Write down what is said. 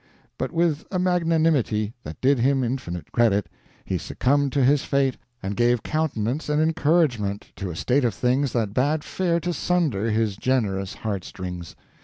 But with a magnanimity that did him infinite credit, he succumbed to his fate, and gave countenance and encouragement to a state of things that bade fair to sunder his generous heart strings.